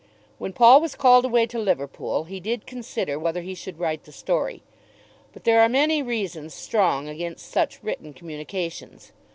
When Paul was called away to Liverpool he did consider whether he should write the story. But there are many reasons strong against such written communications.